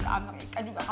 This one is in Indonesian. dia belum dewasa